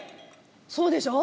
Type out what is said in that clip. そうでしょう？